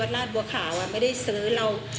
วัตรราชบัวข่าวอ่ะไม่ได้ซื้อเรา